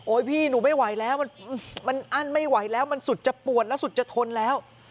พี่หนูไม่ไหวแล้วมันอั้นไม่ไหวแล้วมันสุดจะปวดแล้วสุดจะทนแล้ว